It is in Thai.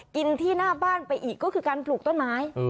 กินที่หน้าบ้านไปอีกก็คือการปลูกต้นไม้